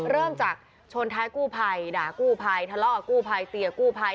เริ่มจากชนท้ายกู้ภัยด่ากู้ภัยทะเลาะกับกู้ภัยเตียกู้ภัย